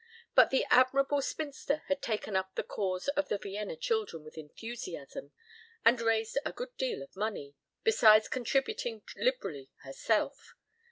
But the admirable spinster had taken up the cause of the Vienna children with enthusiasm and raised a good deal of money, besides contributing liberally herself.